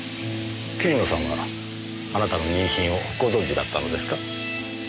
桐野さんはあなたの妊娠をご存じだったのですか？